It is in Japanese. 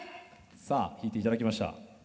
さあ引いていただきました。